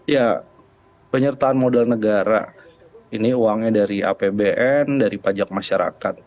ya penyertaan modal negara ini uangnya dari apbn dari pajak masyarakat